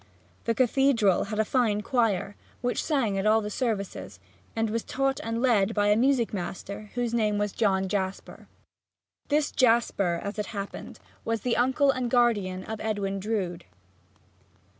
The cathedral had a fine choir, which sang at all the services and was taught and led by a music master whose name was John Jasper. This Jasper, as it happened, was the uncle and guardian of Edwin Drood.